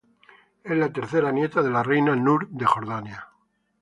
Es la tercera nieta de la reina Noor de Jordania.